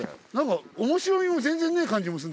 面白みも全然ねえ感じもすんだけど。